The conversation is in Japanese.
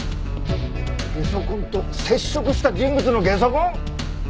ゲソ痕と接触した人物のゲソ痕！？